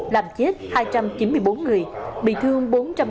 làm chết hai trăm chín mươi bốn người bị thương bốn trăm bảy mươi